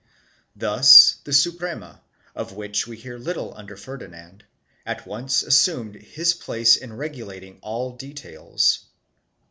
Thus the Suprerna, of which we hear little under Ferdinand, at once assumed his place in regulating all details.